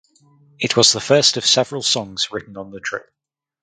It was the first of several songs written on the trip.